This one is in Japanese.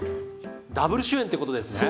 ダブル主演ってことですね。